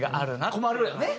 困るよね。